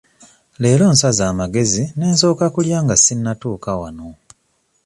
Leero nsaze amagezi ne nsooka kulya nga sinnatuuka wano.